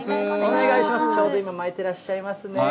ちょうど今、巻いてらっしゃいますね。